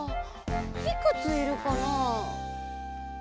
いくついるかな。